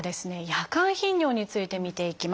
夜間頻尿について見ていきます。